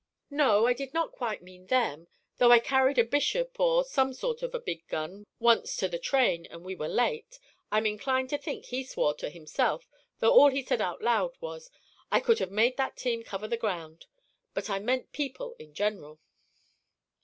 "No, I did not quite mean them, though I carried a bishop, or some sort of a big gun, once to the train and we were late. I am inclined to think he swore to himself, though all he said out loud was: 'I could have made that team cover the ground,' but I meant people in general."